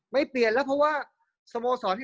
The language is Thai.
ไม่เปลี่ยนแล้วเพราะว่า